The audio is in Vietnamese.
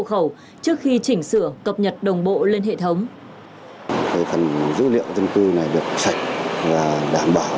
khẩu trước khi chỉnh sửa cập nhật đồng bộ lên hệ thống phần dữ liệu dân cư này được sạch và đảm bảo